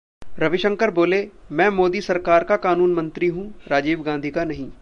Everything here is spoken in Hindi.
रविशंकर बोले- मैं मोदी सरकार का कानून मंत्री हूं, राजीव गांधी का नहीं